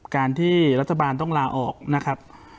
การที่รัฐบาลต้องลาออกนะครับ